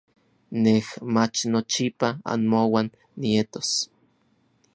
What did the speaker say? Nej, mach nochipa anmouan nietos.